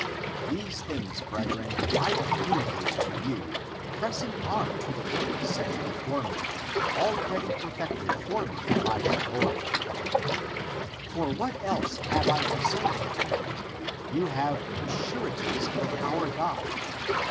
These things, brethren, I communicate to you, press I90 THE APOCRYPHAL ACTS ing on to the work set before me, already perfected for me by the Lord. For what else have I to say to you? You have the sureties of our God.